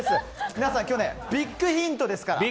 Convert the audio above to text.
皆さんビッグヒントですから。